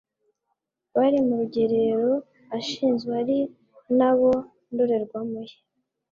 bari mu rugerero ashinzwe ari na bo ndorerwamo ye